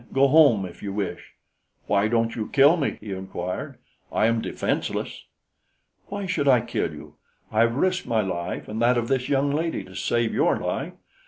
"Go home, if you wish." "Why don't you kill me?" he inquired. "I am defenseless." "Why should I kill you? I have risked my life and that of this young lady to save your life.